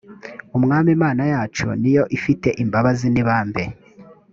umwami imana yacu ni yo ifite imbabazi n ibambe